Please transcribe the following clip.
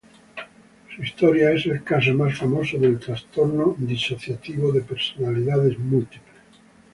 Su historia es el caso más famoso del trastorno disociativo de personalidades múltiples.